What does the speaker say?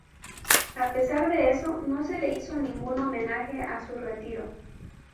A pesar de eso, no se le hizo ningún homenaje a su retiro.